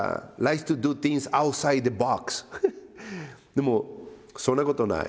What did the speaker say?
でもそんなことない。